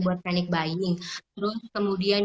buat panic buying terus kemudian